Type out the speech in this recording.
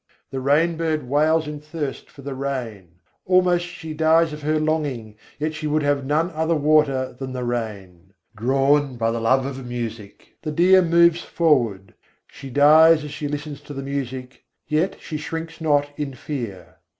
The rain bird wails in thirst for the rain: almost she dies of her longing, yet she would have none other water than the rain. Drawn by the love of music, the deer moves forward: she dies as she listens to the music, yet she shrinks not in fear.